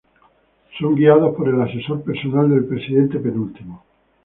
Son guiados por el asesor personal de El Presidente, Penúltimo.